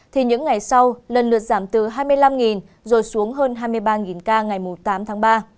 thì những ngày sau lần lượt giảm từ hai mươi năm rồi xuống hơn hai mươi ba ca ngày tám tháng ba